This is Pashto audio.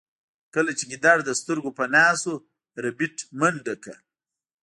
کله چې ګیدړ له سترګو پناه شو ربیټ منډه کړه